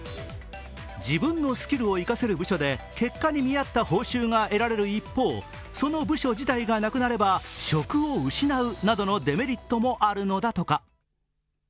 自分のスキルを生かせる部署で結果に見合った報酬が得られる一方その部署自体がなくなれば、職を失うなどのデメリットもあるのだとか。